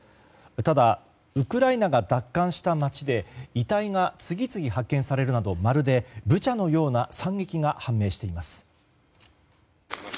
ただ、ウクライナが奪還した街で遺体が次々発見されるなどまるでブチャのような惨劇が判明しています。